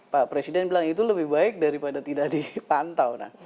pak presiden bilang itu lebih baik daripada tidak dipantau